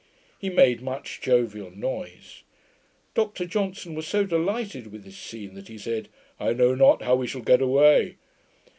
He made much jovial noise. Dr Johnson was so delighted with this scene, that he said, 'I know not how we shall get away.'